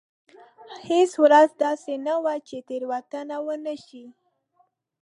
هېڅ ورځ داسې نه وه چې تېروتنه ونه شي.